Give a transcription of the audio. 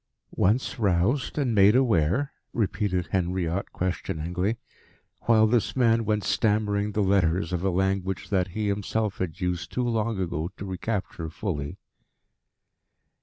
"Once roused and made aware?" repeated Henriot questioningly, while this man went stammering the letters of a language that he himself had used too long ago to recapture fully.